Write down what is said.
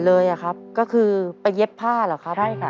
เลยครับก็คือไปเย็บผ้าเหรอครับใช่ค่ะ